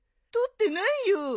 取ってないよ。